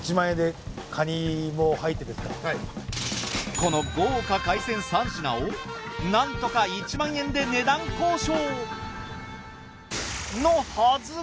この豪華海鮮３品をなんとか１万円で値段交渉。